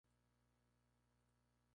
What Next?